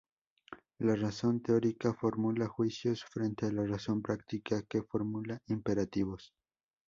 La razón teórica formula juicios frente a la razón práctica que formula imperativos.